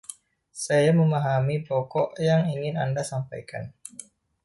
Saya memahami pokok yang ingin Anda sampaikan.